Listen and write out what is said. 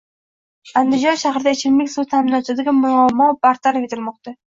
Andijon shahrida ichimlik suvi ta’minotidagi muammo bartaraf etilmoqda